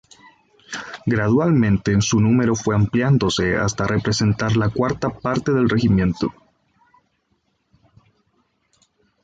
Gradualmente su número fue ampliándose hasta representar la cuarta parte del regimiento.